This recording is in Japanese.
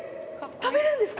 食べられるんですか？